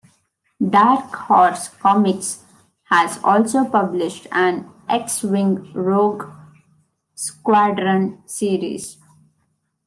Dark Horse Comics has also published an "X-Wing Rogue Squadron" series.